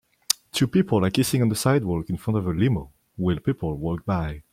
Two people are kissing on a sidewalk in front of a limo while people walk by.